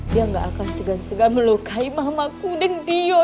dia gak akan segan segan melukai mamaku dan dia